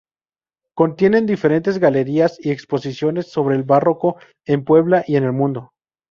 Contiene diferentes galerías y exposiciones sobre el barroco en Puebla y en el mundo.